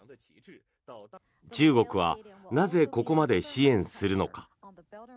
中国はなぜここまで支援するのか。